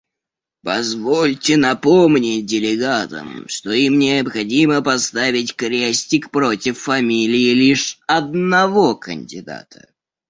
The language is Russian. Позвольте напомнить делегатам, что им необходимо поставить крестик против фамилии лишь одного кандидата.